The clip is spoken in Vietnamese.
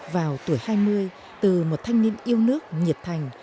vào tuổi hai mươi từ một thanh niên yêu nước nhiệt thành